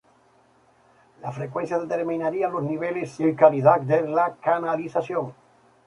Las frecuencias determinarían los niveles y calidad de la canalización.